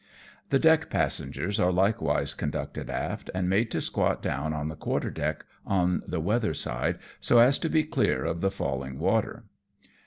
The deck passengers are likewise conducted aft, and made to squat down on the quarter deck, on the weather side, so as to be clear of the falling water.